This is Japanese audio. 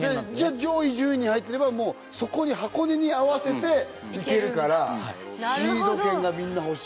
上位１０位に入ってればもう箱根に合わせて行けるからシード権がみんな欲しいとこだよね。